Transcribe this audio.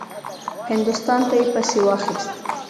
هندوستان ته یې پسې واخیست.